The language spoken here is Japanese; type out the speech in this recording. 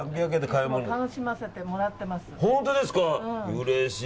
うれしい。